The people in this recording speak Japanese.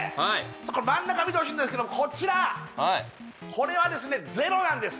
真ん中見てほしいんですけどもこちらこれはですね０なんです